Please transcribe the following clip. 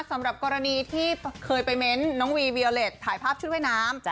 สำหรับกรณีที่เคยไปเม้นต์น้องวีวิโอเล็ตถ่ายภาพชุดว่ายน้ำ